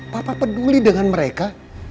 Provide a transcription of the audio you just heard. papa peduli dengan mereka